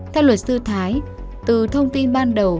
theo luật sư thái từ thông tin ban đầu